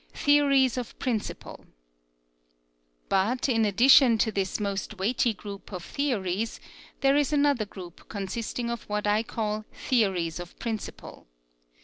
THEORIES OF PRINCIPLE But in addition to this most weighty group of theories, there is another group consisting of what I call theories of principle.